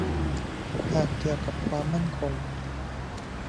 หากเกี่ยวกับความมั่นคง